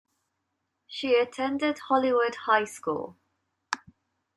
She attended Hollywood High School.